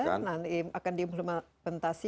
sudah ada nanti akan diimplementasi